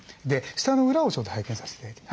舌の裏をちょっと拝見させて頂いて。